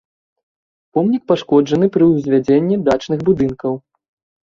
Помнік пашкоджаны пры ўзвядзенні дачных будынкаў.